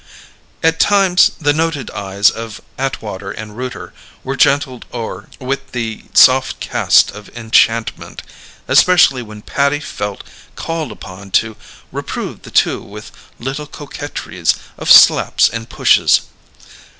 At times the noted eyes of Atwater & Rooter were gentled o'er with the soft cast of enchantment, especially when Patty felt called upon to reprove the two with little coquetries of slaps and pushes.